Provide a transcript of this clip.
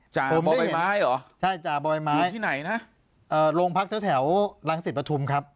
จ่าบ่อยไม้หรอใช่จ่าบ่อยไม้อยู่ที่ไหนนะโรงพักษณ์แถวรังศิษย์ประธุมครับ